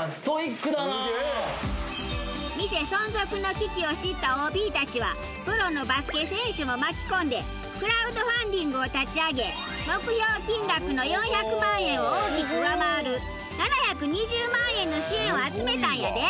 店存続の危機を知ったＯＢたちはプロのバスケ選手も巻き込んでクラウドファンディングを立ち上げ目標金額の４００万円を大きく上回る７２０万円の支援を集めたんやで。